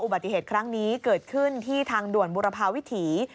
บัติเหตุครั้งนี้เกิดขึ้นที่ทางด่วนบุรพาวิถี